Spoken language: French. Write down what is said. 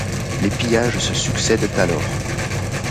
Les pillages se succèdent alors.